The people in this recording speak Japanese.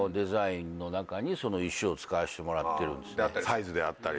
サイズであったり。